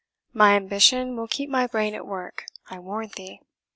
My ambition will keep my brain at work, I warrant thee."